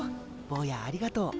ぼうやありがとう。